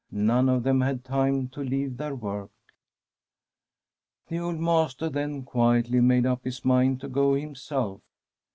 None of them had time to leave their work. The old man then quietly made up his mind to go himself.